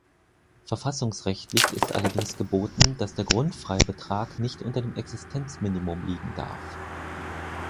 Verfassungsrechtlich ist allerdings geboten, dass der Grundfreibetrag nicht unter dem Existenzminimum liegen darf.